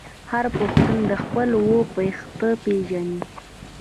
هر پښتون خپل اوه پيښته پیژني.